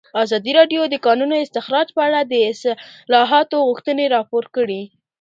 ازادي راډیو د د کانونو استخراج په اړه د اصلاحاتو غوښتنې راپور کړې.